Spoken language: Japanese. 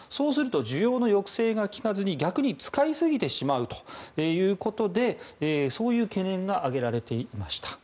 そうすると需要の抑制が利かずに逆に使いすぎてしまうということでそういう懸念が挙げられていました。